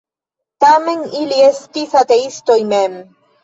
Tamen, ili ne estis ateistoj mem.